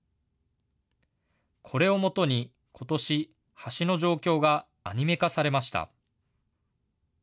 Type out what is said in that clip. これをもとに、ことし橋の状況がアニメ化されました。